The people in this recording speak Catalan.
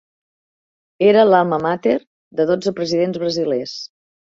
Era l'"alma mater" de dotze presidents brasilers.